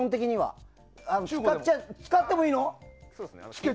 使ってもいいの？